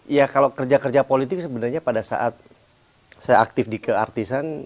ya kalau kerja kerja politik sebenarnya pada saat saya aktif di keartisan